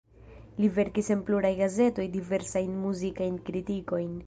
Li verkis en pluraj gazetoj diversajn muzikajn kritikojn.